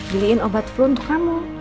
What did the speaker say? beliin obat flu untuk kamu